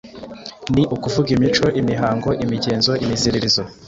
Ni ukuvuga imico, imihango, imigenzo, imiziririzo